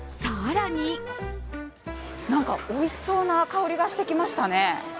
何かおいしそうな香りがしてきましたね。